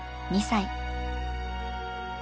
２歳。